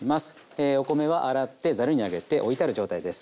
えお米は洗ってざるにあげておいてある状態です。